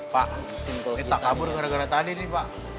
pak simple kita kabur gara gara tadi nih pak